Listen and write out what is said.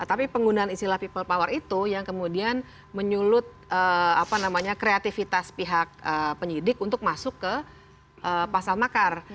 tapi penggunaan istilah people power itu yang kemudian menyulut kreativitas pihak penyidik untuk masuk ke pasal makar